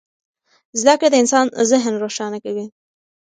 زده کړه د انسان ذهن روښانه کوي.